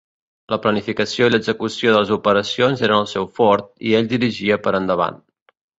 La planificació i l'execució de les operacions eren el seu fort i ell dirigia per endavant.